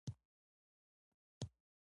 غښتلې فرهنګي او فکري ملاتړې ستنې لري.